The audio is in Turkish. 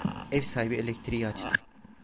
Ev sahibi elektriği açtı.